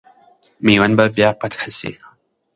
میوند به بیا فتح سي.